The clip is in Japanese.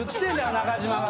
中島がさ。